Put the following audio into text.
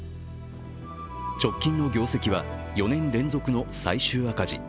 直近の業績は４年連続の最終赤字。